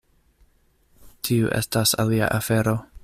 Tiu estas alia afero.